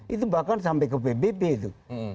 itu bahkan sampai ke pbb itu